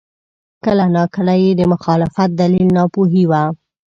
کله ناکله یې د مخالفت دلیل ناپوهي وه.